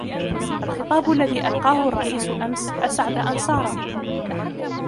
الخطاب الذي ألقاه الرئيس أمس أسعد أنصاره.